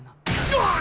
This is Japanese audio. あっ。